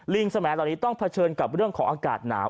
สมัยเหล่านี้ต้องเผชิญกับเรื่องของอากาศหนาว